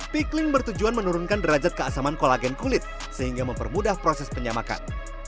pikling bertujuan menurunkan derajat keasaman kolagen kulit sehingga mempermudah proses penyamakan